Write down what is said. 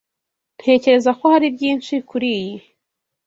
Ntekereza ko hari byinshi kuriyi.